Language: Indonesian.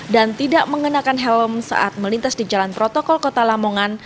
dan tidak mengenakan helm saat melintas di jalan protokol kota lamongan